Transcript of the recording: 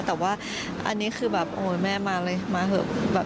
แต่ว่าอันนี้คือแบบโอ้ยแม่มาเลยมาเถอะ